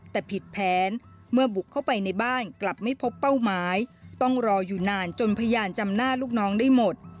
แต่ผิดแผนเมื่อบุกเข้าไปในบ้านกลับไม่พบเป้าหมายต้องรออยู่นานจนพยานจำหน้าลูกน้องได้หมด